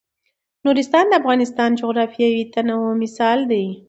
نورستان د افغانستان د جغرافیوي تنوع مثال دی.